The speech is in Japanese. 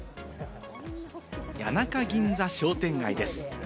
谷中銀座商店街です。